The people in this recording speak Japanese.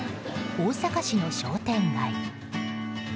大阪市の商店街。